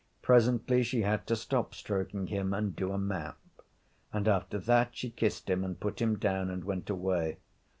Presently she had to stop stroking him and do a map. And after that she kissed him and put him down and went away.